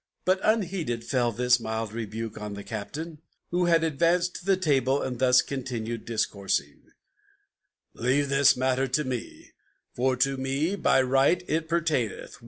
But unheeded fell this mild rebuke on the Captain, Who had advanced to the table, and thus continued discoursing: "Leave this matter to me, for to me by right it pertaineth.